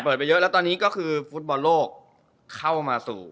ไปเยอะแล้วตอนนี้ก็คือฟุตบอลโลกเข้ามาสู่